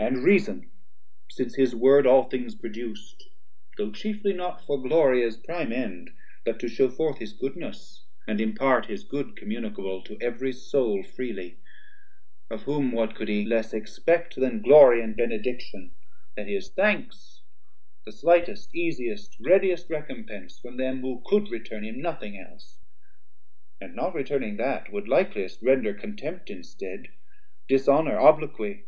And reason; since his word all things produc'd, Though chiefly not for glory as prime end, But to shew forth his goodness, and impart His good communicable to every soul Freely; of whom what could he less expect Then glory and benediction, that is thanks, The slightest, easiest, readiest recompence From them who could return him nothing else, And not returning that would likeliest render 130 Contempt instead, dishonour, obloquy?